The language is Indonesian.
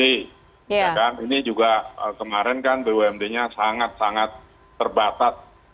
ini juga kemarin kan bumd nya sangat sangat terbatas